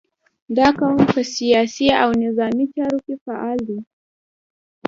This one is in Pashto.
• دا قوم په سیاسي او نظامي چارو کې فعال دی.